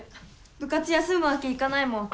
部活休むわけいかないもん。